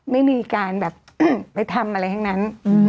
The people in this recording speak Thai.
ไม่มีการแบบไปทำอะไรทั้งนั้น